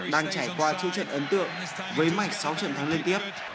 đang trải qua chú trận ấn tượng với mạch sáu trận thắng liên tiếp